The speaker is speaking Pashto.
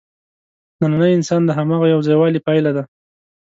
نننی انسان د هماغه یوځایوالي پایله ده.